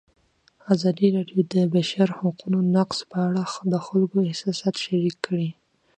ازادي راډیو د د بشري حقونو نقض په اړه د خلکو احساسات شریک کړي.